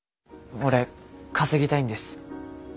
俺稼ぎたいんです。